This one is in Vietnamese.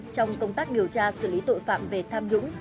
trong công tác điều tra xử lý tội phạm về tham nhũng